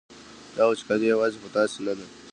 دا وچکالي یوازې په تاسې نه ده.